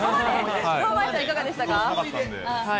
堂前さん、いかがでしたか？